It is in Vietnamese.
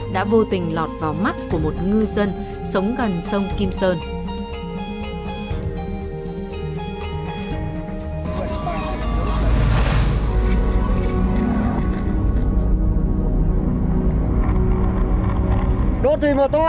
đã vô tình lọt vào mắt của một ngư dân sống gần sông kim sơn